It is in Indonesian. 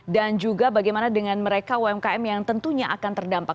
dan juga bagaimana dengan mereka umkm yang tentunya akan terdampak